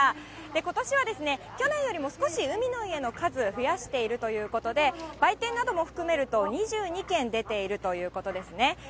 ことしは去年よりも少し海の家の数、増やしているということで、売店なども含めると２２軒出ているということですね。